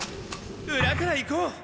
裏から行こう！